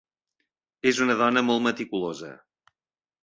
És una dona molt meticulosa.